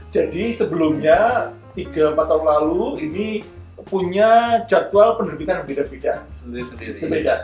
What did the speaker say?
jadi sebelumnya tiga empat tahun lalu ini punya jadwal penerbitan yang beda beda